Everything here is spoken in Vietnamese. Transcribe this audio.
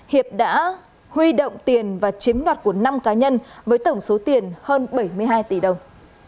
hiệp đã huy động tiền và chiếm đoạt của năm cá nhân với tổng số tiền hơn bảy mươi hai tỷ đồng